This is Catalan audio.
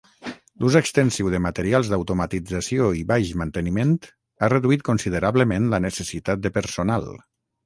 L'ús extensiu de materials d'automatització i baix manteniment ha reduït considerablement la necessitat de personal.